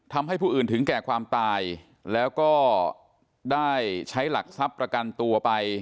ทำให้ผู้อื่นถึงแก่ความตายแล้วก็ได้ใช้หลักทรัพย์ประกันตัวไป